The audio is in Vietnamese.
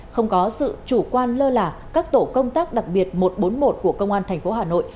không có sự chủ quan lơ lả các tổ công tác đặc biệt một trăm bốn mươi một của công an thành phố hà nội